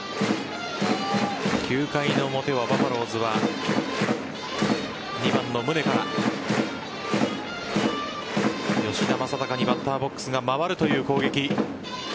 ９回の表はバファローズは２番の宗から吉田正尚にバッターボックスが回るという攻撃。